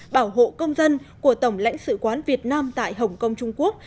bảo hộ công dân của tổng lãnh sự quán việt nam tại hồng kông trung quốc